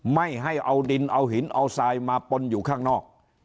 ไม่ให้เอาดินเอาหินเอาทรายมาปนอยู่ข้างนอก